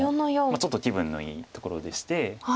ちょっと気分のいいところでして。